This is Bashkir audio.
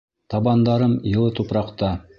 Табандарым йылы тупраҡта.